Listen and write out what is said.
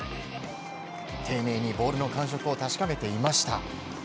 丁寧にボールの感触を確かめていました。